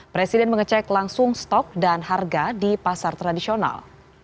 presiden mengecek langsung stok dan harga di pasar tradisional